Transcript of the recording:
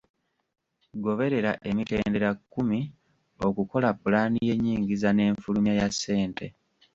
Goberera emitendera kkumi okukola pulaani y’ennyingiza n’enfulumya ya ssente.